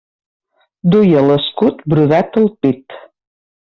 Duia l'escut brodat al pit.